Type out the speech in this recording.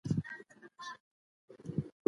تاسي کولای شئ په خپلو خبرو کې له ملي جذبې کار واخلئ.